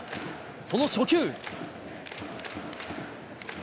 その初球。